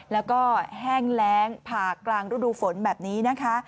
แล้วก็แห้งแรงผ่ากลางฤดูฝนแบบนี้นะคะ